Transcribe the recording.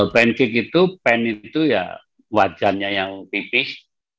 pancake itu pan itu ya wajannya yang tipis